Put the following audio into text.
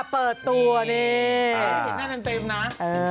เปิดตัวนี่